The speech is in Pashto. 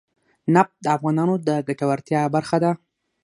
نفت د افغانانو د ګټورتیا برخه ده.